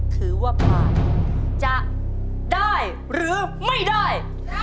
ถือว่าผ่านจะได้หรือไม่ได้